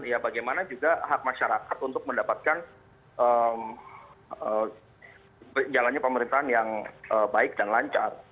ya bagaimana juga hak masyarakat untuk mendapatkan jalannya pemerintahan yang baik dan lancar